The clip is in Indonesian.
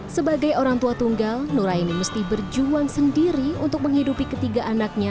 sebagai orang tua tunggal nuraini mesti berjuang sendiri untuk menghidupi ketiga anaknya